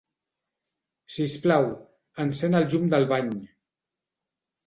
Sisplau, encén el llum del bany.